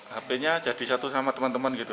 hp nya jadi satu sama teman teman gitu